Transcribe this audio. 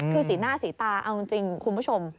คือสีหน้าสีตาเอาจริงคุณผู้ชม